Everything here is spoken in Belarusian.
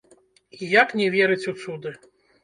І як не верыць у цуды?